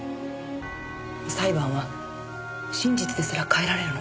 裁判は真実ですら変えられるの。